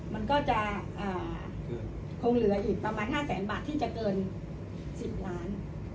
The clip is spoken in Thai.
มันก็จะคงเหลืออีกประมาณ๕แสนบาทที่จะเกิน๑๐ล้าน